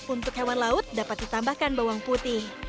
untuk hewan laut dapat ditambahkan bawang putih